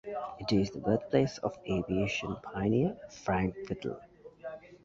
It is the birthplace of aviation pioneer Frank Whittle.